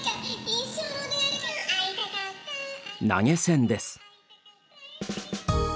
投げ銭です。